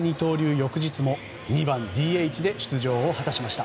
翌日も２番ＤＨで出場を果たしました。